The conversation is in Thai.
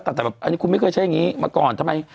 แต่แบบอันนี้คุณไม่เคยใช้อย่างนี้มาก่อนทำไม